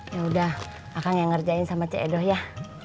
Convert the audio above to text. ya udah akan nge ngerjain sama cik edo ya